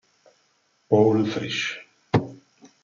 Paul Fritsch